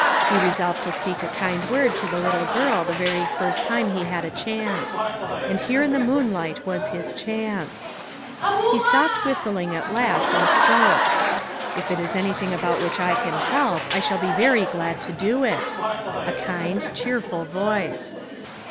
He resolved to speak a kind word to the little girl the very first time that he had a chance. And here in the moon light was his chance. He stopped whistling at last and spoke :" If it is anything about which I can help, I shall be very glad to do it." A kind, cheerful voice.